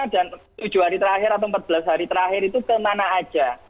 dan tujuh hari terakhir atau empat belas hari terakhir itu kemana aja